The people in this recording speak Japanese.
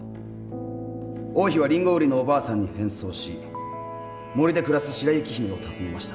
王妃はリンゴ売りのおばあさんに変装し森で暮らす白雪姫を訪ねました。